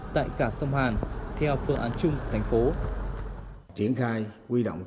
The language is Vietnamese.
tại cả sông hàn theo phương án chung thành phố